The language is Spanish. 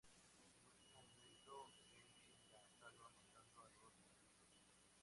En el último momento, Eli la salva matando a los bandidos.